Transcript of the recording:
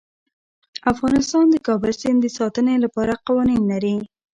افغانستان د د کابل سیند د ساتنې لپاره قوانین لري.